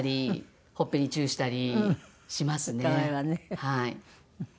はい。